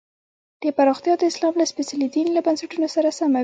دا پراختیا د اسلام له سپېڅلي دین له بنسټونو سره سمه وي.